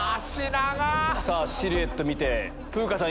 シルエット見て風花さん